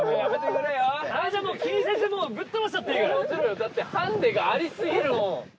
もちろんよだってハンデがあり過ぎるもん。